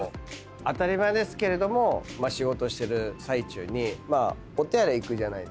当たり前ですけれども仕事してる最中にお手洗い行くじゃないですか。